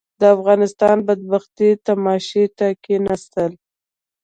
د افغانستان بدبختي تماشې ته کښېناستل.